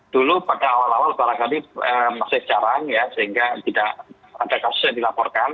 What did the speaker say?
dulu pada awal awal barangkali masih jarang ya sehingga tidak ada kasus yang dilaporkan